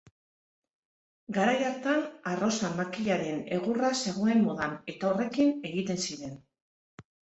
Garai hartan arrosa-makilaren egurra zegoen modan eta horrekin egiten ziren.